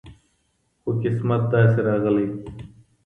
خو قسمت داسي راغلی